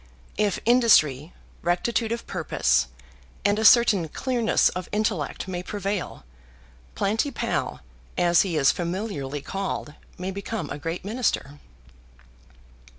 If industry, rectitude of purpose, and a certain clearness of intellect may prevail, Planty Pall, as he is familiarly called, may become a great Minister.